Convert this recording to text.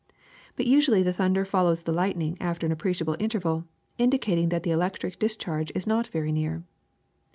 But usually the thunder follows the lightning after an appreciable interval, indicating that the electric dis charge is not very near.